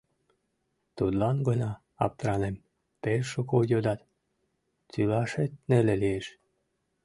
Тудлан гына аптыранем, пеш шуко йодат, тӱлашет неле лиеш.